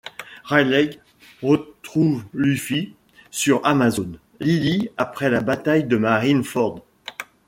Rayleigh retrouve Luffy sur Amazon Lily après la bataille de Marine Ford.